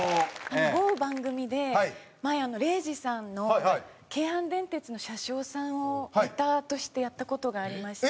某番組で前礼二さんの京阪電鉄の車掌さんをネタとしてやった事がありまして。